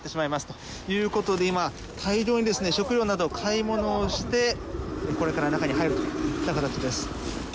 ということで今、大量に食料など買い物をしてこれから中に入ろうといった形です。